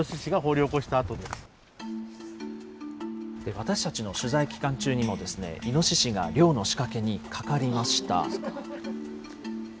私たちの取材期間中にもイノシシが猟の仕掛けにかかりました。